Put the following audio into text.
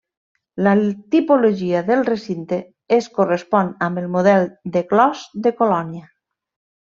La tipologia del recinte es correspon amb el model de clos de colònia.